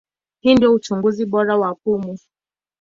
Hii ndio uchunguzi bora wa pumu.